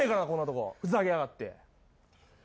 ふざけやがって。